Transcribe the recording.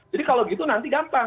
jadi kalau gitu nanti gampang